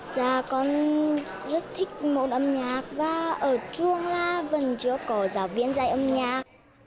dạ con rất thích môn âm nhạc và ở trường là vẫn chưa có giáo viên dạy âm nhạc